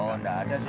oh nggak ada sih